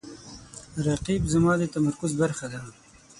رقیب زما د تمرکز برخه ده